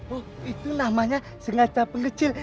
oh itu namanya sengaja pengecil